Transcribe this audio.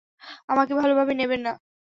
আমাকে ভালোভাবে নেবেন না।